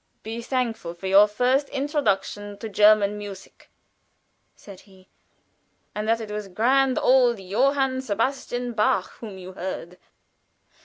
"Be thankful for your first introduction to German music," said he, "and that it was grand old Johann Sebastian Bach whom you heard.